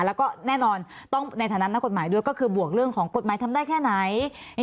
แล้วก็แน่นอนต้องในฐานะนักกฎหมายด้วยก็คือบวกเรื่องของกฎหมายทำได้แค่ไหน